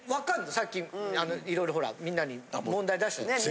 さっきいろいろほらみんなに問題出したやつ。